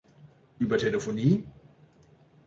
Über Telefonie?